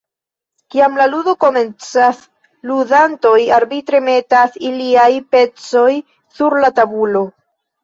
Kiam la ludo komencas, ludantoj arbitre metas iliaj pecoj sur la tabulo.